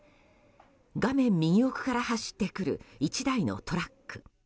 画面右奥から走ってくる１台のトラック。